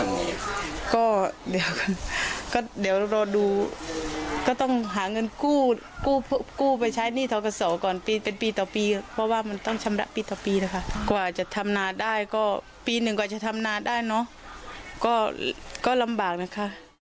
ก็เหลือกันก็เดี๋ยวรอดูก็ต้องหาเงินกู้กู้ไปใช้หนี้ทกศก่อนปีเป็นปีต่อปีเพราะว่ามันต้องชำระปีต่อปีนะคะกว่าจะทำนาได้ก็ปีหนึ่งกว่าจะทำนาได้เนอะก็ลำบากนะคะ